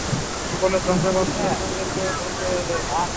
ফলে ধ্বংসপ্রাপ্তদের সঙ্গে সেও ধ্বংস হয়ে যায়।